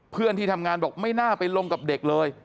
เพื่อนที่ทำงานบอกไม่น่าไปลงกับเด็กเลย